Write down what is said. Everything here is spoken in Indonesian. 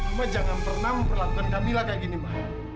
mama jangan pernah memperlakukan kamila kayak gini ma